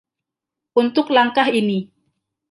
Untuk langkah ini.